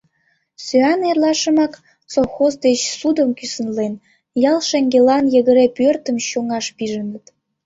Сӱан эрлашымак, совхоз деч ссудым кӱсынлен, ял шеҥгелан йыгыре пӧртым чоҥаш пижыныт.